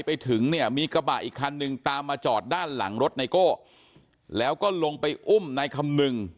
ไปถึงเนี่ยมีกระบะอีกคันนึงตามมาจอดด้านหลังรถไนโก้แล้วก็ลงไปอุ้มนายคำนึง